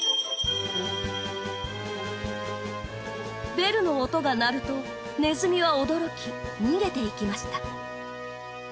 ベルの音が鳴るとネズミは驚き逃げていきました。